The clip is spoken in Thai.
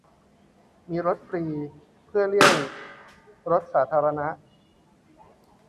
มีรถฟรีเพื่อเลี่ยงรถสาธารณะ